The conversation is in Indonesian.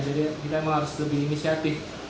jadi kita memang harus lebih inisiatif